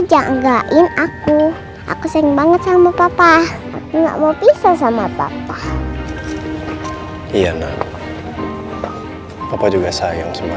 jagain aku aku sayang banget sama papa nggak mau pisah sama papa iya nak apa juga sayang semua